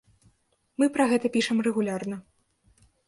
Мы пра гэта пішам рэгулярна.